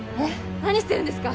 何してるんですか